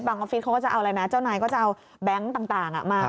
ออฟฟิศเขาก็จะเอาอะไรนะเจ้านายก็จะเอาแบงค์ต่างมา